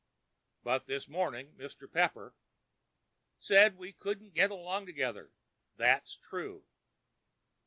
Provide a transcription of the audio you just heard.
"But this morning Mr. Pepper——" "Said we couldn't get along together. That's true."